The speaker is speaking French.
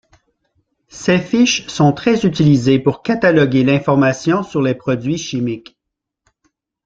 Ces fiches sont très utilisées pour cataloguer l'information sur les produits chimiques.